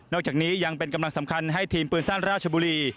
จากนี้ยังเป็นกำลังสำคัญให้ทีมปืนสั้นราชบุรี